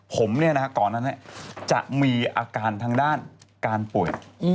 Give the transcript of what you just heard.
ผมก่อนนั้นจะมีอาการทางด้านการป่วย